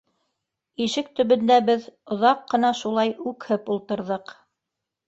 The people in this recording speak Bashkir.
Ишек төбөндә беҙ оҙаҡ ҡына шулай үкһеп ултырҙыҡ.